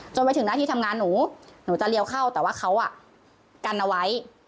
ไปถึงหน้าที่ทำงานหนูหนูจะเลี้ยวเข้าแต่ว่าเขากันเอาไว้